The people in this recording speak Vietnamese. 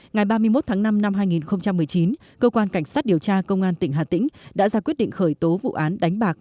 ngày ba mươi một tháng năm năm hai nghìn một mươi chín cơ quan cảnh sát điều tra công an tỉnh hà tĩnh đã ra quyết định khởi tố vụ án đánh bạc